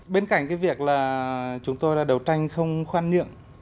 bên cạnh cái việc là chúng tôi là đấu tranh không khoan nhượng